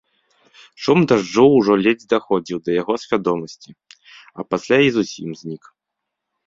Шум дажджу ўжо ледзь даходзіў да яго свядомасці, а пасля і зусім знік.